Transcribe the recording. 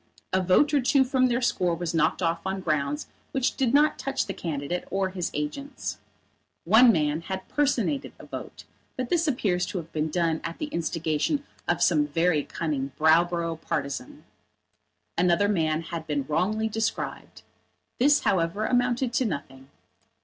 A vote or two from their score was knocked off on grounds which did not touch the candidate or his agents. One man had personated a vote, but this appeared to have been done at the instigation of some very cunning Browborough partisan. Another man had been wrongly described. This, however, amounted to nothing.